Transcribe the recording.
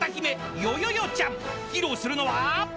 ［披露するのは］